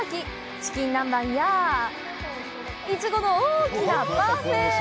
チキン南蛮やいちごの大きなパフェ！